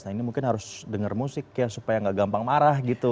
nah ini mungkin harus dengar musik ya supaya nggak gampang marah gitu